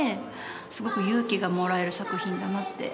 すごく勇気がもらえる作品だなって。